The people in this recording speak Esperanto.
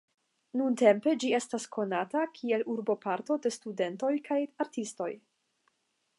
Nuntempe ĝi estas konata kiel urboparto de studentoj kaj artistoj.